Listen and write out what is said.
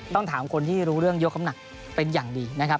ต้องถามคนที่รู้เรื่องยกคำหนักเป็นอย่างดีนะครับ